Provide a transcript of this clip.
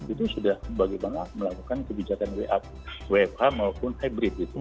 itu sudah bagaimana melakukan kebijakan wfh maupun hybrid gitu